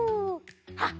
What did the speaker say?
あっ！